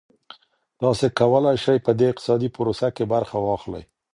تاسو کولای شئ په دې اقتصادي پروسه کي برخه واخلئ.